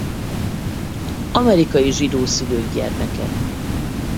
Amerikai zsidó szülők gyermeke.